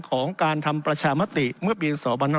ของการทำประชามติเมื่อปี๒๕๕๙